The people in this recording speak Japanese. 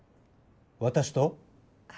私と？